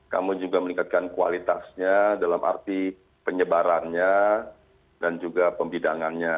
kamu juga meningkatkan kualitasnya dalam arti penyebarannya dan juga pembidangannya